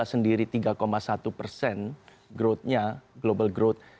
dua ribu enam belas sendiri tiga satu persen growthnya global growth